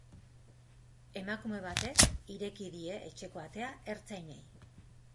Emakume batek ireki die etxeko atea ertzainei.